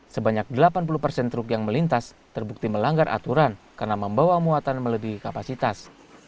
sebanyak delapan puluh persen truk yang melintas terbukti melanggar aturan karena membawa muatan melebihi kapasitas